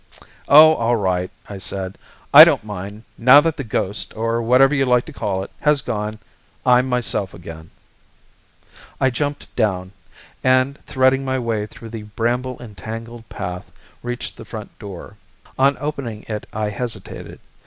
"Oh, all right," I said. "I don't mind, now that the ghost, or whatever you like to call it, has gone; I'm myself again." I jumped down, and threading my way along the bramble entangled path, reached the front door. On opening it, I hesitated.